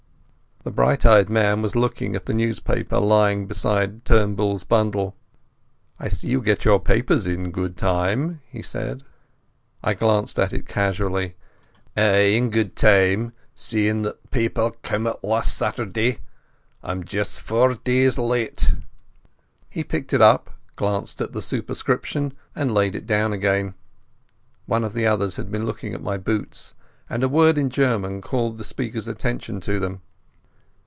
The bright eyed man was looking at the newspaper lying beside Turnbull's bundle. "I see you get your papers in good time," he said. I glanced at it casually. "Aye, in gude time. Seein' that that paper cam' out last Setterday I'm just sax days late." He picked it up, glanced at the superscription, and laid it down again. One of the others had been looking at my boots, and a word in German called the speaker's attention to them.